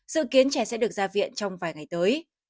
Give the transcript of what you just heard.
dự kiến trẻ sẽ được ra viện trong vài ngày tới